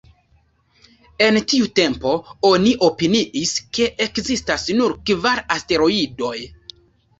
En tiu tempo, oni opiniis ke ekzistas nur kvar asteroidoj.